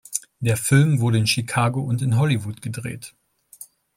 Der Film wurde in Chicago und in Hollywood gedreht.